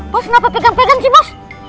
bos kenapa pegang pegang si bos